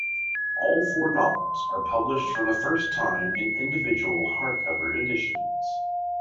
All four novels are published for the first time in individual hardcover editions.